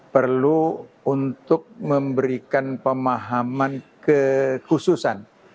perlu untuk memberikan pemahaman kekhususan